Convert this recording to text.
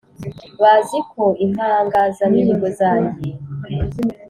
Bazi ko impangazamihigo za njye